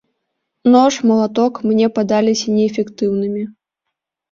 Нож, малаток мне падаліся неэфектыўнымі.